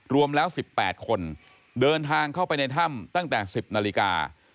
รวมแล้ว๑๘คนเดินทางเข้าไปในถ้ำตั้งแต่๑๐นาฬิกา